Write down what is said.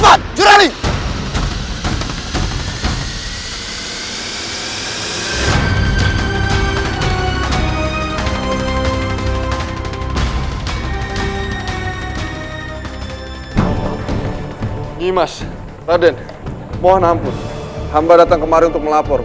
pak jajaran membutuhkan kalian